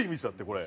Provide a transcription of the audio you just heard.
これ！